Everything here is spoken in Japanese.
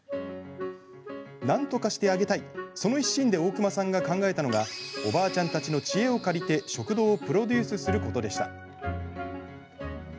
何とかしてあげたい、その一心で大熊さんが考えたのがおばあちゃんたちの知恵を借りて食堂をプロデュースすることでした。